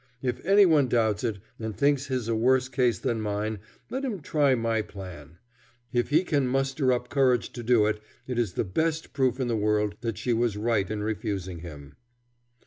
If any one doubts it, and thinks his a worse case than mine, let him try my plan. If he cannot muster up courage to do it, it is the best proof in the world that she was right in refusing him.